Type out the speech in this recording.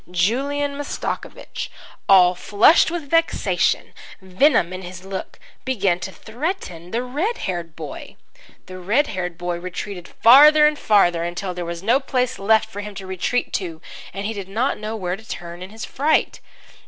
Julian Mastakovich, all flushed with vexation, venom in his look, began to threaten the red haired boy. The red haired boy retreated farther and farther until there was no place left for him to retreat to, and he did not know where to turn in his fright.